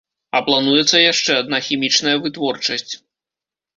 А плануецца яшчэ адна хімічная вытворчасць.